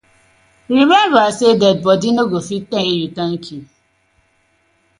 Remmeber say dead bodi no go fit tell yu tank yu.